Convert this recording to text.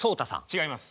違います。